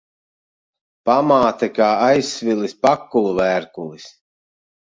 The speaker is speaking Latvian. Pamāte kā aizsvilis pakulu vērkulis.